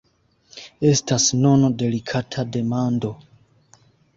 Estas nun delikata demando.